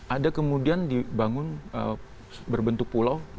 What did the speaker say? ada kemudian dibangun berbentuk pulau